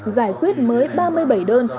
giải quyết mới ba mươi bảy đơn